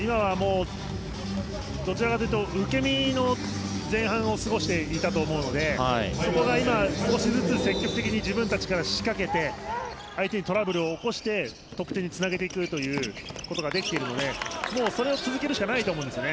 どちらかというと受け身の前半を過ごしていたと思うのでそこが今、少しずつ積極的に自分たちから仕掛けて相手にトラブルを起こして得点につなげていくということができているのでそれを続けるしかないと思うんですね。